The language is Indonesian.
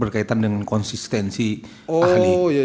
berkaitan dengan konsistensi ahli